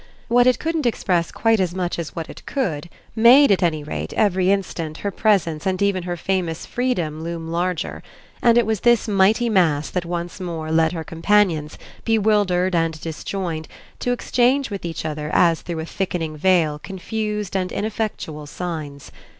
What it couldn't express quite as much as what it could made at any rate every instant her presence and even her famous freedom loom larger; and it was this mighty mass that once more led her companions, bewildered and disjoined, to exchange with each other as through a thickening veil confused and ineffectual signs.